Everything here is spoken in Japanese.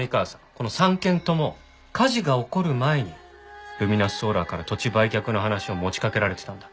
この３軒とも火事が起こる前にルミナスソーラーから土地売却の話を持ちかけられてたんだ。